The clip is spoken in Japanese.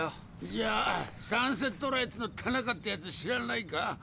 じゃあサンセットライツのタナカってやつ知らないか？